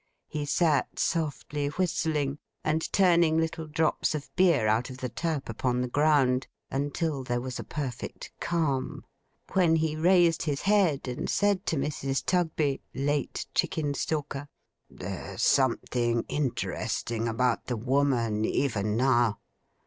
He sat softly whistling, and turning little drops of beer out of the tap upon the ground, until there was a perfect calm: when he raised his head, and said to Mrs. Tugby, late Chickenstalker: 'There's something interesting about the woman, even now.